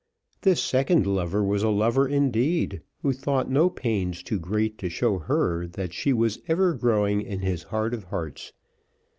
This second lover was a lover, indeed, who thought no pains too great to show her that she was ever growing in his heart of hearts.